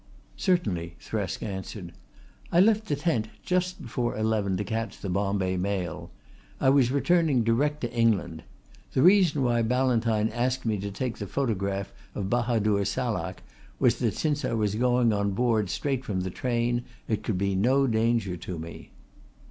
"Certainly," Thresk answered. "I left the tent just before eleven to catch the Bombay mail. I was returning direct to England. The reason why Ballantyne asked me to take the photograph of Bahadur Salak was that since I was going on board straight from the train it could be no danger to me."